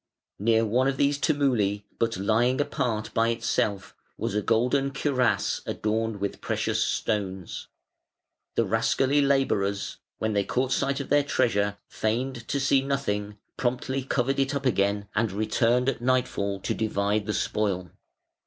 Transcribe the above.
Near one of these tumuli, but lying apart by itself, was a golden cuirass adorned with precious stones. The rascally labourers, when they caught sight of their treasure, feigned to see nothing, promptly covered it up again, and returned at nightfall to divide the spoil.